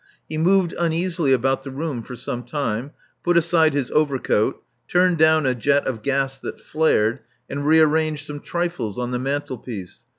He moved uneasily about the room for some time ; put aside his overcoat; turned down a jet of gas that flared; and re arranged some trifles on the mantelpiece.